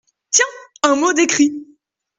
Tiens ! un mot d’écrit !